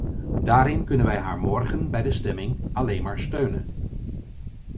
Daarin kunnen wij haar morgen bij de stemming alleen maar steunen.